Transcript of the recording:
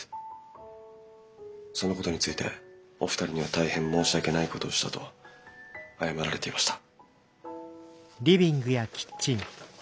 そのことについてお二人には大変申し訳ないことをしたと謝られていました。